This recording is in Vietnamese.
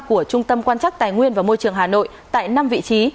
của trung tâm quan chắc tài nguyên và môi trường hà nội tại năm vị trí